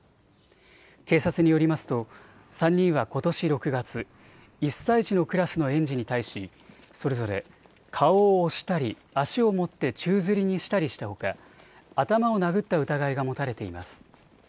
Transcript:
警察によりますと３人はことし６月、１歳児のクラスの園児に対し、それぞれ顔を押したり、足を持って宙づりにしたりしたほか頭を殴った疑いが持たれています。